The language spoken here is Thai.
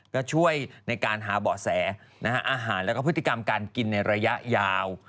ก็ช่วยในการหาเบาะแสอาหารแล้วก็พฤติกรรมการกินในระยะยาว